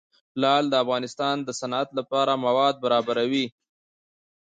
لعل د افغانستان د صنعت لپاره مواد برابروي.